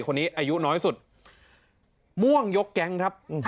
คนนี้อายุน้อยสุดม่วงยกแก๊งครับ